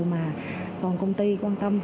mà toàn công ty quan tâm